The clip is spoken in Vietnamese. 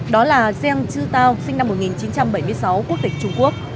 đó là jean chư tao sinh năm một nghìn chín trăm bảy mươi sáu quốc tịch trung quốc